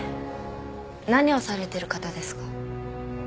何をされてる方ですか？